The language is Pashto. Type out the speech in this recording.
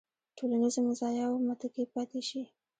ټولنیزو مزایاوو متکي پاتې شي.